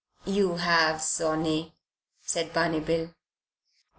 "You have, sonny," said Barney Bill.